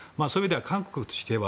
韓国としては